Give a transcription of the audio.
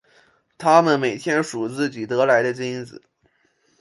他们每天数自己得来的金子。